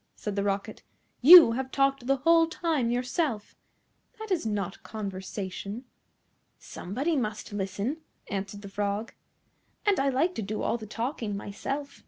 said the Rocket. "You have talked the whole time yourself. That is not conversation." "Somebody must listen," answered the Frog, "and I like to do all the talking myself.